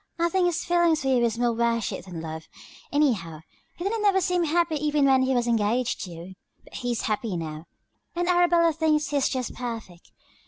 I think his feelins for you was more worship than love, anyhow. He didn't never seem happy even when he was engaged to you. But hes happy now, and Arabella thinks hes jest perfect.